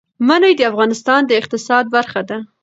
منی د افغانستان د اقتصاد برخه ده.